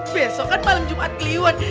besok kan malam jumat keliuan